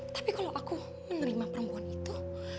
tapi kalau aku menerima perempuan itu